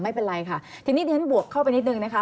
ไม่เป็นไรค่ะทีนี้เรียนบวกเข้าไปนิดนึงนะคะ